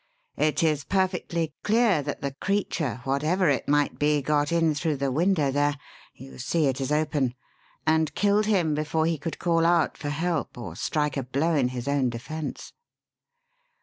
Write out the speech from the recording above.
It is perfectly clear that the creature, whatever it might be, got in through the window there (you see it is open) and killed him before he could call out for help or strike a blow in his own defence."